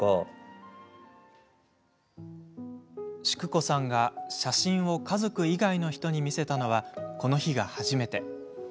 淑子さんが写真を家族以外の人に見せたのはこの日が初めて。